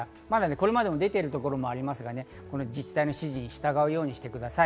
これまでも出ているところもありますから、自治体の指示に従うようにしてください。